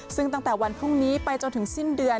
ซึ่งตั้งแต่วันพรุ่งนี้ไปจนถึงสิ้นเดือน